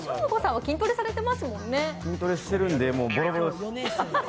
筋トレしているのでボロボロです。